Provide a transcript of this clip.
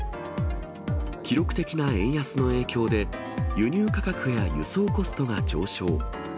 記録的な円安の影響で、輸入価格や輸送コストが上昇。